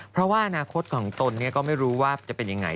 เพราะว่าอนาคตของตนก็ไม่รู้ว่าจะเป็นยังไง